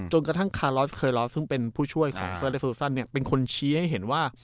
กระทั่งคาลอสเคอร์ลอสซึ่งเป็นผู้ช่วยของเซอร์เลโซซันเนี่ยเป็นคนชี้ให้เห็นว่า